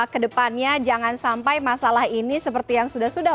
kedepannya jangan sampai masalah ini seperti yang sudah sudah